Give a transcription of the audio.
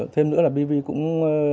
thêm nữa là bv cũng